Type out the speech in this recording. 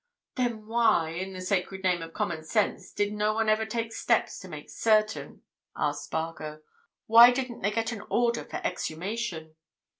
"Then why, in the sacred name of common sense did no one ever take steps to make certain?" asked Spargo. "Why didn't they get an order for exhumation?"